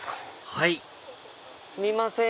はいすみません！